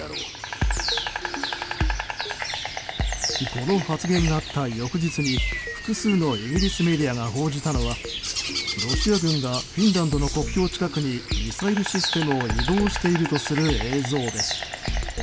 この発言があった翌日に複数のイギリスメディアが報じたのはロシア軍がフィンランドの国境近くにミサイルシステムを移動しているとする映像です。